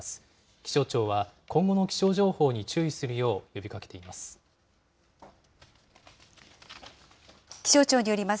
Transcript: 気象庁は、今後の気象情報に注意するよう呼びかけています。